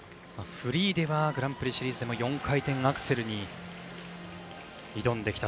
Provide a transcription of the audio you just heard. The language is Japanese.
フリーではグランプリシリーズでも４回転アクセルに挑んできた。